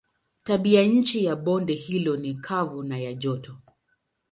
Tabianchi ya bonde hilo ni kavu na ya joto.